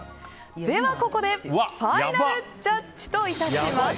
ここでファイナルジャッジといたします。